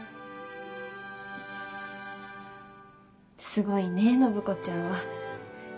すごいね暢子ちゃんは。